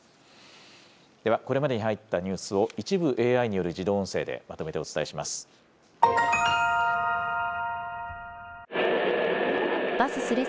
では、これまでに入ったニュースを、一部ＡＩによる自動音声でまとめてお伝えします。